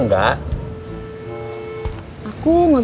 gak aku bapak